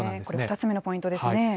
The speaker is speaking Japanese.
これ、２つ目のポイントですね。